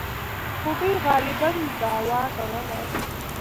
خو دوی غالباً دعوا کوله.